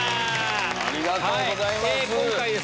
ありがとうございます。